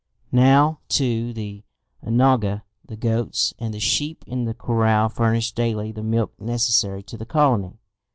Now, too, the onaga, the goats, and the sheep in the corral furnished daily the milk necessary to the colony.